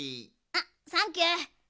あサンキュー。